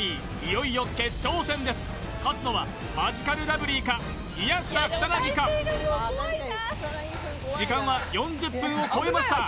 いよいよ決勝戦です勝つのはマヂカルラブリーか宮下草薙か時間は４０分を超えました